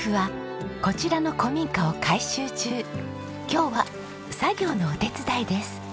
今日は作業のお手伝いです。